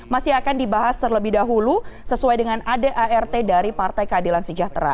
masih akan dibahas terlebih dahulu sesuai dengan adart dari partai keadilan sejahtera